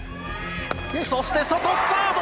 そして外サード。